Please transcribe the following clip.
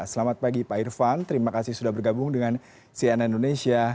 selamat pagi pak irvan terima kasih sudah bergabung dengan cn indonesia